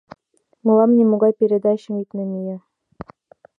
Мылам нимогай передачым ит намие.